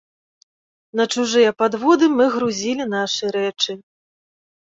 На чужыя падводы мы грузілі нашы рэчы.